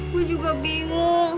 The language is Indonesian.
gue juga bingung